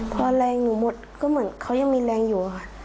พอแรงหนูหมดก็เหมือนเขายังมีแรงอยู่ค่ะ